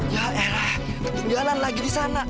ya elah pendidikanan lagi di sana